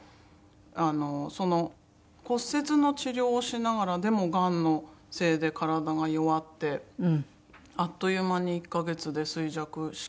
骨折の治療をしながらでもがんのせいで体が弱ってあっという間に１カ月で衰弱しきってしまったんですけど。